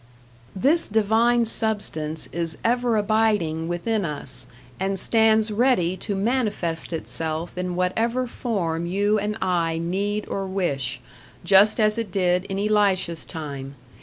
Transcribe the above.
This divine Substance is ever abiding within us, and stands ready to manifest itself in whatever form you and I need or wish, just as it did in Elisha's time.